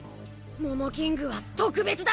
モモキングは特別だ。